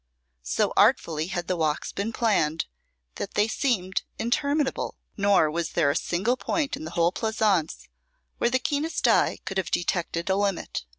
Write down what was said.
So artfully had the walks been planned, that they seemed interminable, nor was there a single point in the whole pleasaunce where the keenest eye could have detected a limit.